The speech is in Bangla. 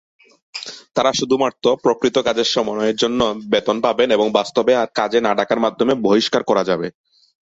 তারা শুধুমাত্র প্রকৃত কাজের সময়ের জন্য বেতন পাবেন এবং বাস্তবে আর কাজে না ডাকার মাধ্যমে বহিষ্কার করা যাবে।